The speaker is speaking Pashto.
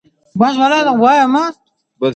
ملګرتیا په پیسو نه کیږي.